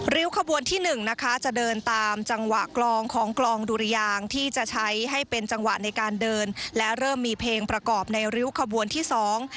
ขบวนที่หนึ่งนะคะจะเดินตามจังหวะกลองของกลองดุรยางที่จะใช้ให้เป็นจังหวะในการเดินและเริ่มมีเพลงประกอบในริ้วขบวนที่สอง